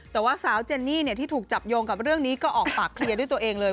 แต่ว่าสาวเจนนี่ที่ถูกจับโยงกับเรื่องนี้ก็ออกปากเคลียร์ด้วยตัวเองเลย